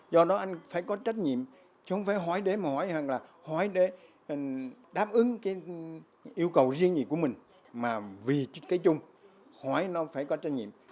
do đó anh phải có trách nhiệm chứ không phải hỏi để mà hỏi hỏi để đáp ứng yêu cầu riêng gì của mình mà vì cái chung hỏi nó phải có trách nhiệm